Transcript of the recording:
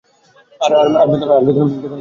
আর সবসময় তেমনই রইব।